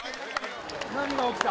何が起きた？